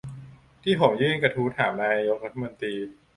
ที่ผมยื่นกระทู้ถามนายกรัฐมนตรี